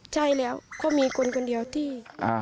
ใช่แล้วเขามีคนคนเดียวที่